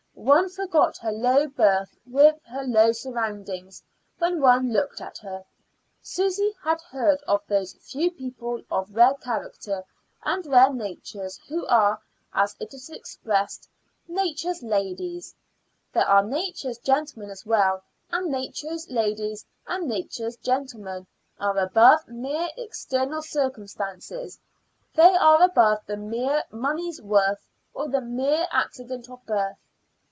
One forgot her low birth, her low surroundings, when one looked at her. Susy had heard of those few people of rare character and rare natures who are, as it is expressed, "Nature's ladies." There are Nature's gentlemen as well, and Nature's ladies and Nature's gentlemen are above mere external circumstances; they are above the mere money's worth or the mere accident of birth.